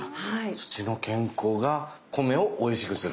土の健康が米をおいしくする。